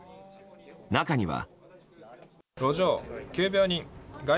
中には。